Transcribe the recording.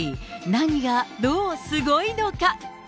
何がどうすごいのか。